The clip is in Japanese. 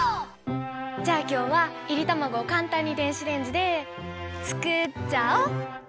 じゃあきょうはいりたまごをかんたんに電子レンジでつくっちゃお！